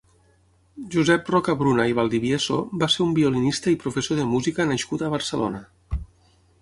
Josep Rocabruna i Valdivieso va ser un violinista i professor de música nascut a Barcelona.